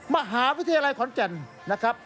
มหาวิทยาลัยขอนแก่นนะครับ